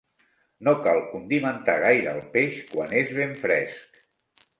No cal condimentar gaire el peix, quan és ben fresc.